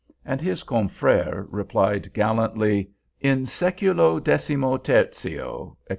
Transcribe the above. And his confrère replied gallantly, "In seculo decimo tertio," etc.